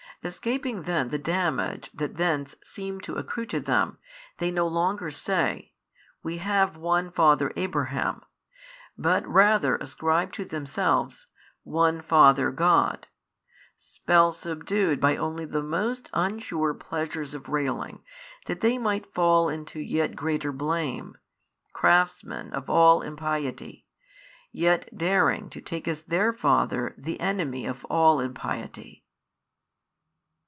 Escaping then the damage that thence seemed to accrue to them, they no |643 longer say, We have one father Abraham, but rather ascribe to themselves One Father God, spell subdued by only the most unsure pleasures of railing, that they might fall into yet greater blame, craftsmen of all impiety, yet daring to take as their father the Enemy of all impiety.